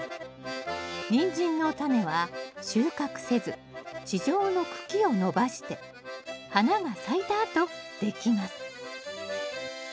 ニンジンのタネは収穫せず地上の茎を伸ばして花が咲いたあとできます